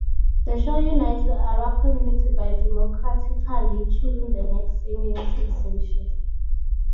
The show unites the Arab community by democratically choosing the next singing sensation.